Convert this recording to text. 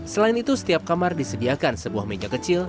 selain itu setiap kamar disediakan sebuah meja kecil